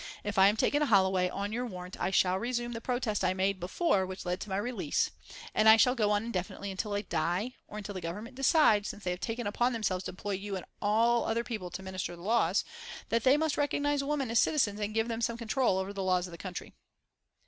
If I am taken to Holloway on your warrant I shall resume the protest I made before which led to my release, and I shall go on indefinitely until I die, or until the Government decide, since they have taken upon themselves to employ you and other people to administer the laws, that they must recognise women as citizens and give them some control over the laws of this country."